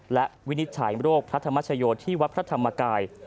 และวินิจฉัยโรคพระธรรมชโยที่วัดพระธรรมกาย